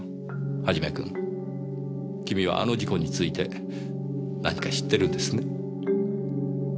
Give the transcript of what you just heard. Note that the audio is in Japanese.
元君君はあの事故について何か知ってるんですね？